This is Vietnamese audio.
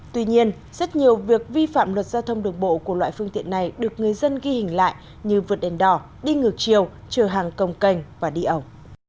tuy nhiên rất nhiều việc vi phạm luật giao thông đường bộ của loại phương tiện này được người dân ghi hình lại như vượt đèn đỏ đi ngược chiều chờ hàng công canh và đi ẩu